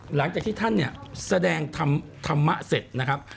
หลังจากที่ท่านเนี่ยแสดงธรรมะเสร็จนะครับ